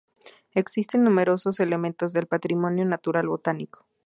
Existen numerosos elementos del patrimonio natural botánico.